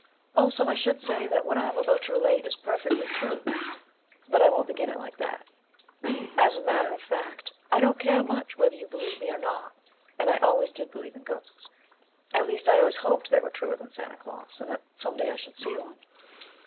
Also, I should say that what I am about to relate is perfectly true â but I won't begin it like that. As a matter of fact, I don't care much whether you believe me or not, and I always did believe in ghosts â at least, I always hoped they were truer than Santa Glaus, and that some day I should see one.